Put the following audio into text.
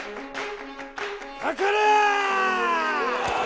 かかれ！